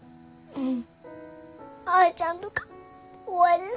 うん。